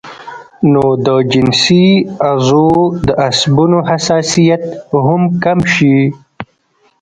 نو د جنسي عضو د عصبونو حساسيت هم کم شي